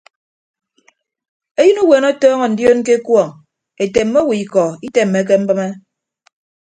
Eyịn uweene ọtọọñọ ndioon ke ekuọñ etemme owo ikọ itemmeke mbịme.